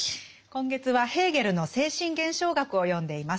今月はヘーゲルの「精神現象学」を読んでいます。